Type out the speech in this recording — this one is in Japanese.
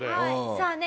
さあね